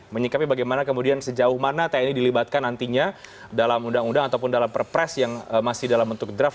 menyikapi bagaimana kemudian sejauh mana tni dilibatkan nantinya dalam undang undang ataupun dalam perpres yang masih dalam bentuk draft